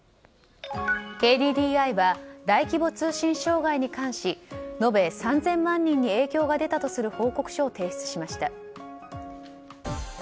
ＫＤＤＩは大規模通信障害に関し延べ３０００万人に影響が出たとする報告書を提出しました。